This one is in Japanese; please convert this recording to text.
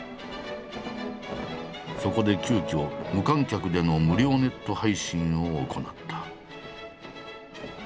そこで急きょ無観客での無料ネット配信を行った。